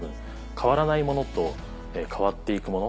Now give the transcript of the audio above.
変わらないものと変わって行くもの